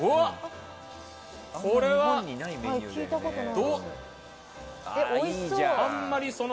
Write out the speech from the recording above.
これはどう。